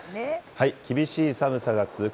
厳しい寒さが続く